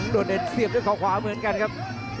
โดดเด่นเสียบด้วยเขาขวาเหมือนกันครับ